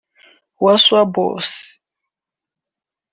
Wasswa Bossa